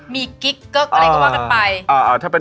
มีกิ๊กเกิ๊กอะไรก็ว่ากันไป